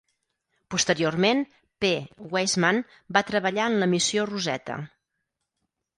Posteriorment, P. Weissman va treballar en la missió Rosetta.